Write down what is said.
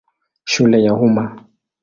Shule ya Umma.